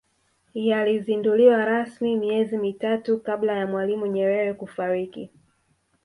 yalizinduliwa rasmi miezi mitatu kabla ya mwalimu nyerere kufariki